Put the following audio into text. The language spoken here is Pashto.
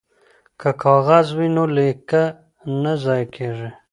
که کاغذ وي نو لیک نه ضایع کیږي.